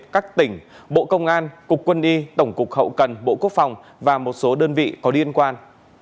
các tỉnh bộ công an cục quân y tổng cục hậu cần bộ quốc phòng và một số đơn vị có liên quan